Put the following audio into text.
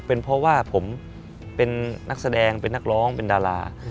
เป็นเพราะว่าผมเป็นนักแสดงเป็นนักร้องเป็นดารา